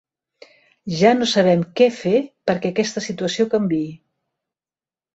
Ja no sabem què fer perquè aquesta situació canviï.